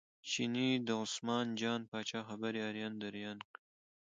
چیني د عثمان جان پاچا خبرې اریان دریان کړ.